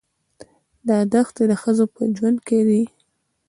دا دښتې د ښځو په ژوند کې دي.